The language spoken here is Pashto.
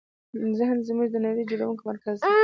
ذهن زموږ د نړۍ جوړوونکی مرکز دی.